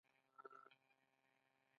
ژوند څنګه تعریف کوئ؟